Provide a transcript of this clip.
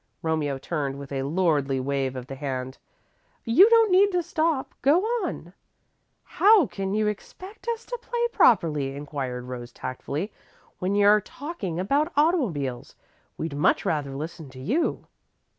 Romeo turned with a lordly wave of the hand. "You don't need to stop. Go on!" "How can you expect us to play properly?" inquired Rose, tactfully, "when you're talking about automobiles? We'd much rather listen to you."